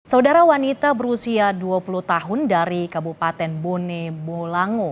saudara wanita berusia dua puluh tahun dari kabupaten bone bolango